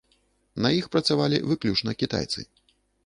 На іх працавалі выключна кітайцы.